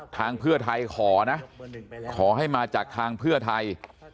ทางเพื่อไทยขอนะขอให้มาจากทางเพื่อไทย